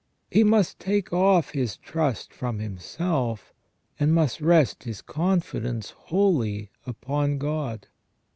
He must take off his trust from himself, and must rest his confidence wholly upon God.